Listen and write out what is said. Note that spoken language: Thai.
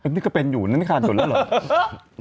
นี่ก็เป็นอยู่นี่ค่ะหยดแล้วเหรอ